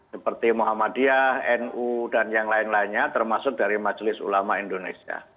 seperti muhammadiyah nu dan yang lain lainnya termasuk dari majelis ulama indonesia